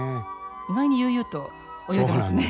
意外に悠々と泳いでますね。